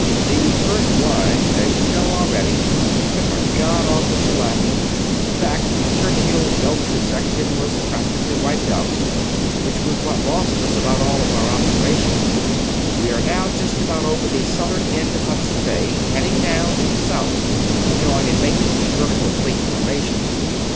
The First Line as you know already took a God awful shellacking; in fact, the Churchill Belcher section was practically wiped out, which was what lost us about all of our Observation.... We are now just about over the southern end of Hudson Bay, heading down and south to join in making a vertical Fleet Formation